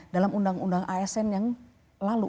dalam undang undang asn yang lalu